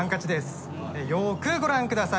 よくご覧ください。